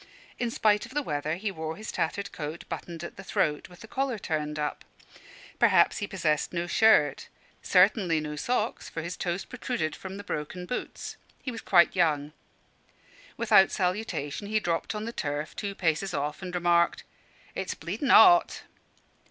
In spite of the weather, he wore his tattered coat buttoned at the throat, with the collar turned up. Probably he possessed no shirt; certainly no socks, for his toes protruded from the broken boots. He was quite young. Without salutation he dropped on the turf two paces off and remarked "It's bleedin' 'ot."